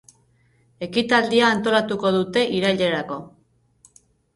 Ekitaldia antolatuko dute irailerako.